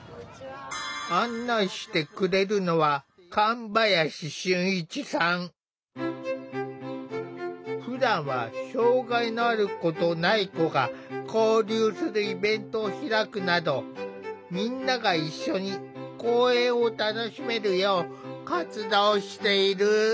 案内してくれるのはふだんは障害のある子とない子が交流するイベントを開くなどみんなが一緒に公園を楽しめるよう活動している。